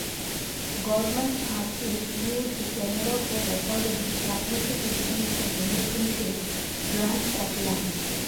Government archives used Kannada for recording pragmatic information relating to grants of land.